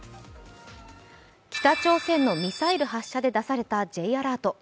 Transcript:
北朝鮮のミサイル発射で出されたＪアラート。